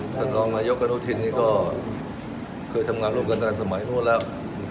ท่านรองนายกอนุทินนี่ก็เคยทำงานร่วมกันตั้งแต่สมัยนู้นแล้ว